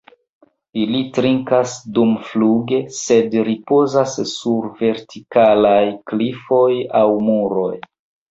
Ili trinkas dumfluge, sed ripozas sur vertikalaj klifoj aŭ muroj.